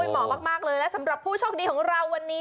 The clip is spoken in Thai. เหมาะมากเลยและสำหรับผู้โชคดีของเราวันนี้